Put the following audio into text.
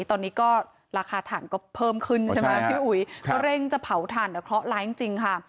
ตอนนี้ก็ราคาถ่านก็เพิ่มขึ้นใช่ไหมพี่อุ๋ยก็เร่งจะเผาถ่านแต่เคราะห์ร้ายจริงจริงค่ะ